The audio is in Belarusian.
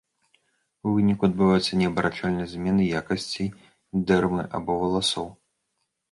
У выніку адбываюцца неабарачальныя змены якасцей дэрмы або валасоў.